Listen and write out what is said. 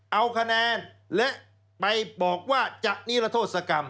เอาคะแนนและไปบอกว่าจะนิรโทษกรรม